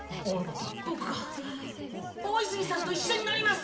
僕が大泉さんと一緒に乗ります！